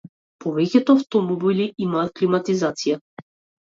Повеќето автомобили имаат климатизација.